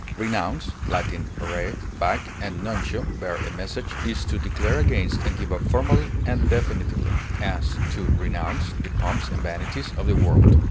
Renounce (L. re, back, and nuntio, bear a message) is to declare against and give up formally and definitively; as, to renounce the pomps and vanities of the world.